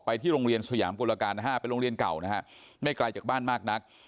ไปที่โรงเรียนสุยามกุลการณ์นะครับเป็นโรงเรียนเก่านะครับไม่ไกลจากบ้านมากนัก